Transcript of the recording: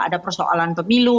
ada persoalan pemilu